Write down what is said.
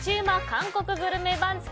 韓国グルメ番付。